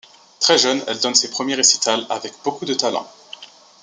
Très jeune elle donne ses premiers récitals avec beaucoup de talent.